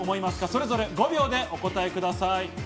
それぞれ５秒でお答えください。